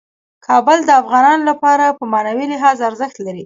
کابل د افغانانو لپاره په معنوي لحاظ ارزښت لري.